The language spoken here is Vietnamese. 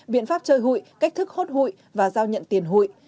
biện pháp chơi hụi cách thức hốt hụi và giao nhận tiền hụi